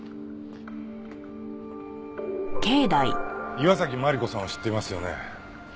岩崎真理子さんを知っていますよね？